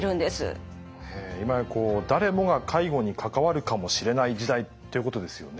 今や誰もが介護に関わるかもしれない時代っていうことですよね。